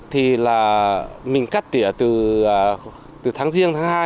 thì là mình cắt tỉa từ tháng riêng tháng hai